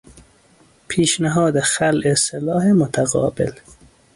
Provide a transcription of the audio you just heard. پیشنهاد خلع سلاح متقابل